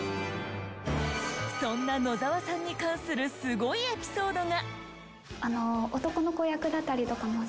そんな野沢さんに関するスゴいエピソードが。